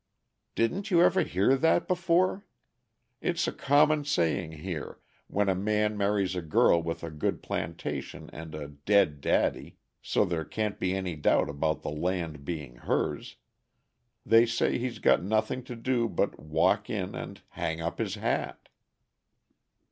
"Didn't you ever hear that before? It's a common saying here, when a man marries a girl with a good plantation and a 'dead daddy,' so there can't be any doubt about the land being her's they say he's got nothing to do but walk in and hang up his hat."